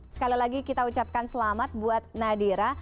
sekali lagi kita ucapkan selamat buat nadira